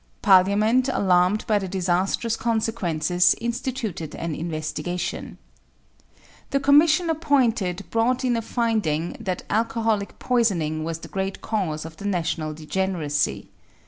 Parliament, alarmed by the disastrous consequences, instituted an investigation. The commission appointed brought in a finding that alcoholic poisoning was the great cause of the national degeneracy.